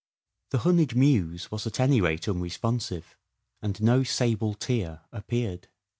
The honeyed muse was at any rate unresponsive, and no " sable tear " appeared.